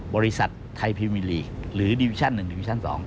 บริษัทไทยพิวมีลีกหรือดิวิชั่น๑ดิวิชั่น๒